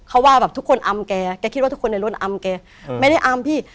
เขาว่าแบบทุกคนอำแกแกคิดว่าทุกคนในรถอำแกไม่ได้อำพี่